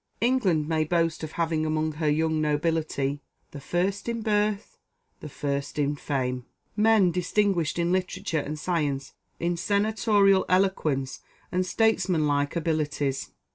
England may boast of having among her young nobility "The first in birth, the first in fame." men distinguished in literature and science, in senatorial eloquence and statesmanlike abilities.